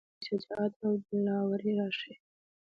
د پښتنې پېغلې شجاعت او دلاوري راښايي.